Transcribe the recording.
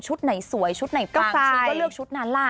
ชุดไหนสวยชุดไหนฟังชุดก็เลือกชุดนั้นล่ะ